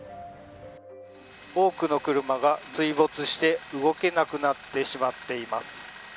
多くの車が水没して動けなくなってしまっています。